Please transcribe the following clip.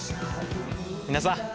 皆さん！